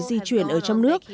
di chuyển ở trong nước